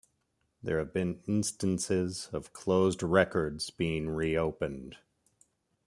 There have been instances of closed records being reopened.